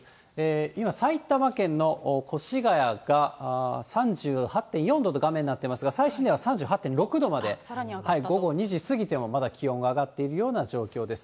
今、埼玉県の越谷が３８．４度と画面なってますが、最新では３８．６度まで、午後２時過ぎてもまだ気温が上がっているような状況です。